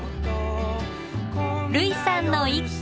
類さんの一句